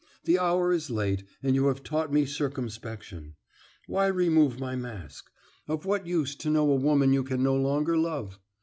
The hour is late, and you have taught me circumspection. Why remove my mask? Of what use to know a woman you can no longer love?